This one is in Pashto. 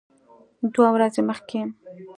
دوه ورځې مخکې